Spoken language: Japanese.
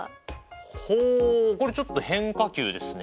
ほうこれちょっと変化球ですね。